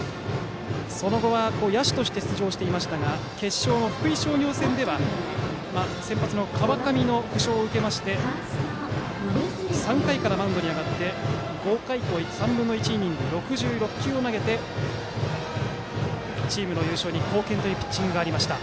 その後野手として出場していましたが決勝の福井商業戦では先発、川上の負傷を受けまして３回からマウンドに上がって５回と３分の１イニング６６球を投げてチームの優勝に貢献というピッチングがありました。